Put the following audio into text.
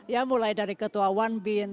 ya mulai dari ketua one bin